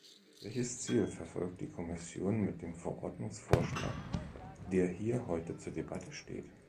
Welches Ziel verfolgt die Kommission mit dem Verordnungsvorschlag, der hier heute zur Debatte steht?